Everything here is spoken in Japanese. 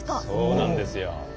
そうなんですよ。